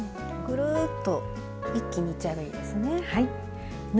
ぐるっと一気にいっちゃえばいいですね。